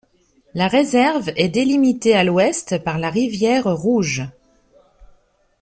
La réserve est délimité à l'ouest par la rivière Rouge.